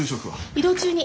移動中に。